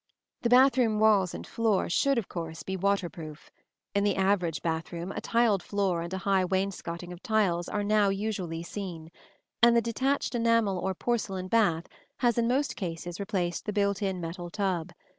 The bath room walls and floor should, of course, be water proof. In the average bath room, a tiled floor and a high wainscoting of tiles are now usually seen; and the detached enamel or porcelain bath has in most cases replaced the built in metal tub.